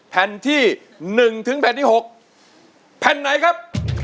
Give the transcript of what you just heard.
แผ่นที่๑ถึงแผ่นที่๖แผ่นไหนครับ